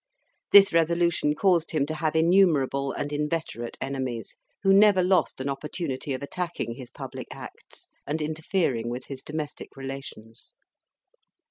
This resolution caused him to have innumerable and inveterate enemies, who never lost an opportunity of attacking his public acts and interfering with his domestic relations.